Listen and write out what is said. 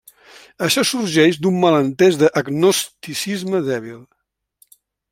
Això sorgeix d'un malentès d'agnosticisme dèbil.